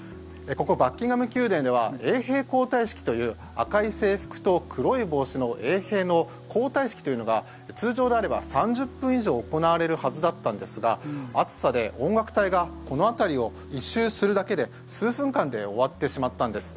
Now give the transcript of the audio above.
ここ、バッキンガム宮殿では衛兵交代式という赤い制服と黒い帽子の衛兵の交代式というのが通常であれば３０分以上行われるはずだったんですが暑さで、音楽隊がこの辺りを１周するだけで数分間で終わってしまったんです。